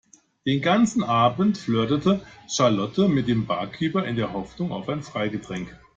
Den ganzen Abend flirtete Charlotte mit dem Barkeeper in der Hoffnung auf ein Freigetränk.